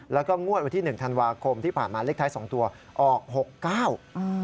แล้วก็งวดวันที่๑ธันวาคมที่ผ่านมาเลขท้าย๒ตัวออก๖๙กิโลเมตร